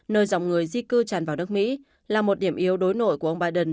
nơi dòng người di cư tràn vào nước mỹ là một điểm yếu đối nội của ông biden